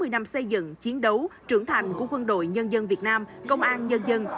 sáu mươi năm xây dựng chiến đấu trưởng thành của quân đội nhân dân việt nam công an nhân dân